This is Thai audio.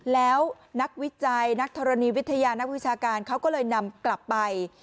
แล้วนักวิจัยนักธรณีวิทยานักวิชาการเขาก็เลยนำกลับไป